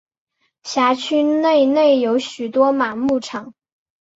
辖区内内有许多马牧场。